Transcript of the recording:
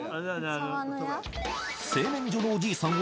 製麺所のおじいさん